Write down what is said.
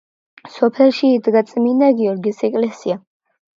სოფელში იდგა წმინდა გიორგის ეკლესია.